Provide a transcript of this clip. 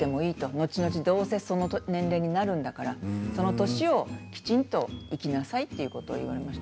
のちのち、どうせその年齢になるんだからその年をきちんと生きなさいということを言われました。